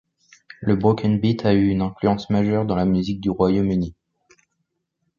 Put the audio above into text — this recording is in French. Le Broken Beat a eu une influence majeure dans la musique du Royaume-Uni.